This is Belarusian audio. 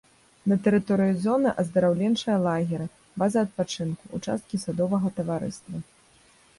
На тэрыторыі зоны аздараўленчыя лагеры, база адпачынку, участкі садовага таварыства.